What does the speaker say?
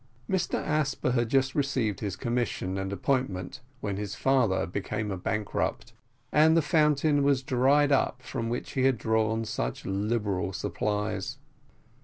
Mr Asper had just received his commission and appointment, when his father became a bankrupt, and the fountain was dried up from which he had drawn such liberal supplies.